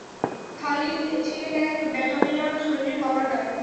খালিদ ছিলেন এক ব্যাটালিয়ন সৈন্যের কমান্ডার।